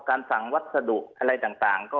สั่งวัสดุอะไรต่าง